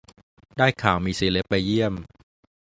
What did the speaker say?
ได้ข่าวมีเซเล็บไปเยี่ยม